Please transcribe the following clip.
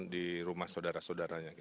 di rumah saudara saudaranya